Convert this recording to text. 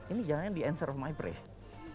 ini jangan yang the answer of my prayer